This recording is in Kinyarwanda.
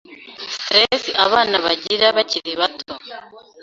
stress abana bagira bakiri bato